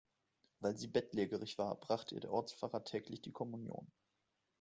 Weil sie bettlägerig war, brachte ihr der Ortspfarrer täglich die Kommunion.